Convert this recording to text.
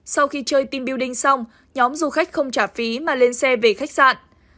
sau khi chơi team building xong nhóm du khách không trả phí mà lên xe về khách sạn